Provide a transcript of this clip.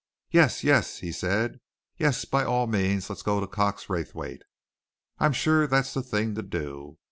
"Yes, yes!" he said. "Yes, by all means let us go to Cox Raythwaite. I'm sure that's the thing to do.